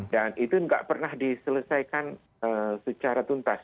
dan itu tidak pernah diselesaikan secara tuntas